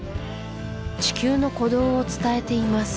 地球の鼓動を伝えています